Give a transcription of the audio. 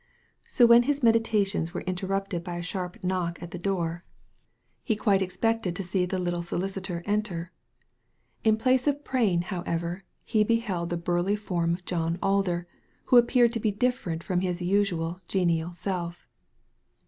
So when his meditations were interrupted by a sharp knock at the door, he quite expected to Digitized by Google 142 THE LADY FROM NOWHERE see the little solicitor enter. In place of Prain, how ever, he beheld the burly form of John Aider, who appeared to be different from his usual genial self.